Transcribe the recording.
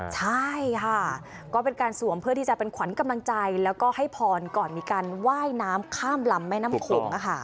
ใช่ค่ะก็เป็นการสวมเพื่อที่จะเป็นขวัญกำลังใจแล้วก็ให้พรก่อนมีการว่ายน้ำข้ามลำแม่น้ำโขง